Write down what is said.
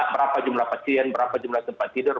berapa jumlah pasien berapa jumlah tempat tidur